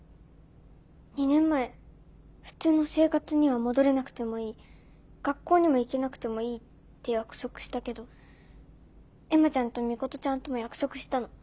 ２年前「普通の生活には戻れなくてもいい学校にも行けなくてもいい」って約束したけど絵麻ちゃんと美琴ちゃんとも約束したの。